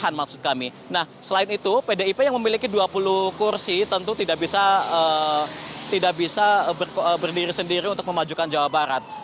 nah selain itu pdip yang memiliki dua puluh kursi tentu tidak bisa berdiri sendiri untuk memajukan jawa barat